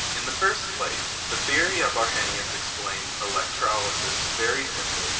In the first place, the theory of Arrhenius explains electrolysis very simply.